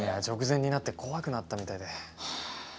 直前になって怖くなったみたいで。